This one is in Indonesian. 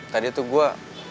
tadi tuh gue